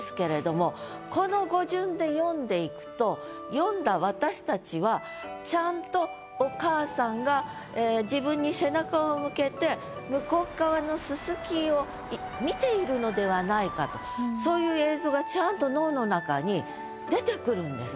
読んだ私たちはちゃんとお母さんが自分に背中を向けて向こう側の芒を見ているのではないかとそういう映像がちゃんと脳の中に出てくるんですね。